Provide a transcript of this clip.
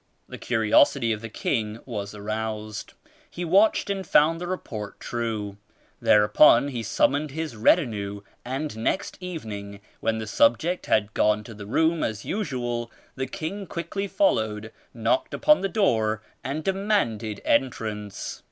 The curiosity of the king was aroused. He watched and found the report true. Thereupon he summoned his retinue and next evening when the subject had gone to the room as usual, the king quickly followed, knocked upon the door and demanded entrance.